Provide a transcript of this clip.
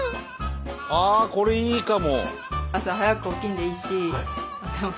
ああこれいいかも！